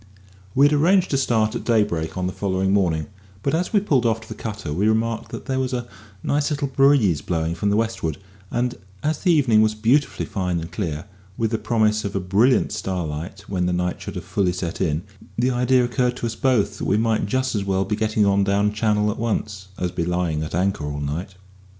We had arranged to start at daybreak on the following morning; but as we pulled off to the cutter we remarked that there was a nice little breeze blowing from the westward, and as the evening was beautifully fine and clear, with the promise of a brilliant starlight when the night should have fully set in, the idea occurred to us both that we might just as well be getting on down Channel at once, as be lying at anchor all night.